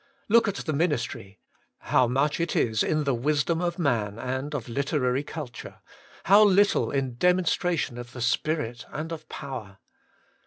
Look at the ministry — how much it is in the wisdom of man and of literary culture — how little in demonstration of the Spirit and of power.